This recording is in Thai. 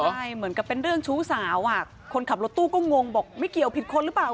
ใช่เหมือนกับเป็นเรื่องชู้สาวคนขับรถตู้ก็งงบอกไม่เกี่ยวผิดคนหรือเปล่า